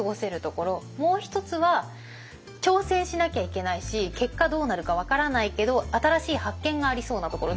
もう一つは挑戦しなきゃいけないし結果どうなるか分からないけど新しい発見がありそうなところ。